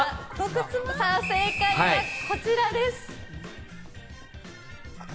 正解はこちらです。